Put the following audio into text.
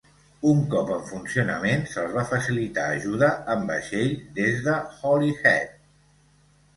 Un cop en funcionament, se'ls va facilitar ajuda amb vaixell des de Holyhead.